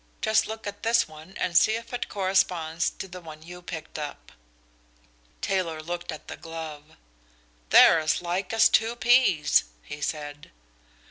Just look at this one and see if it corresponds to the one you picked up." Taylor looked at the glove. "They're as like as two peas," he said.